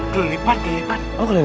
kelipan kayaknya kan